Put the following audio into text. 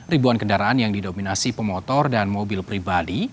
ribuan kendaraan yang didominasi pemotor dan mobil pribadi